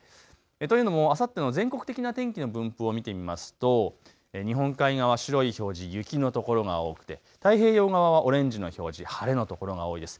というのもあさっての全国的な天気の分布を見てみますと日本海側、白い表示雪の所が多くて太平洋側オレンジの表示晴れの所が多いです。